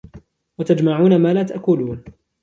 وَتَجْمَعُونَ مَا لَا تَأْكُلُونَ